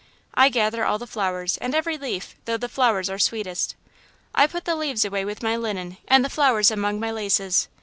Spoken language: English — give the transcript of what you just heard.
I gather all the flowers, and every leaf, though the flowers are sweetest. I put the leaves away with my linen and the flowers among my laces.